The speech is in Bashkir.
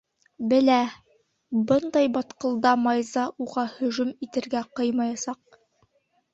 Белә: бындай батҡылда Майза уға һөжүм итергә ҡыймаясаҡ.